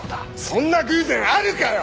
そんな偶然あるかよ‼